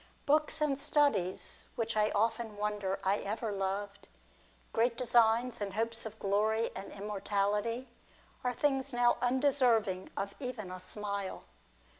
j Books and studies, which I often wonder I ever loved, \ great designs, and hopes of glory and immortality, are! things now undeserving of even a smile.